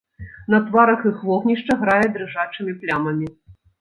На тварах іх вогнішча грае дрыжачымі плямамі.